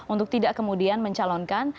untuk tidak kemudian mencalonkan